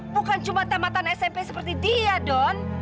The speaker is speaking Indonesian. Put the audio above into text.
bukan cuma tematan smp seperti dia don